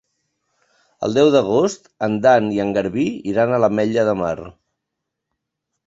El deu d'agost en Dan i en Garbí iran a l'Ametlla de Mar.